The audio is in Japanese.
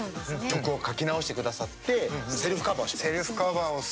曲を書き直してくださってセルフカバーを。